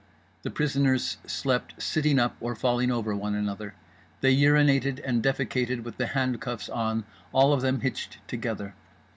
The prisoners slept sitting up or falling over one another. They urinated and defecated with the handcuffs on, all of them hitched together.